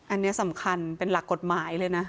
อันนี้สำคัญเป็นหลักกฎหมายเลยนะ